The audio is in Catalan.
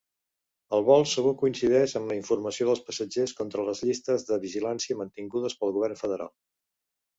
El vol segur coincideix amb la informació dels passatgers contra les llistes de vigilància mantingudes pel govern federal.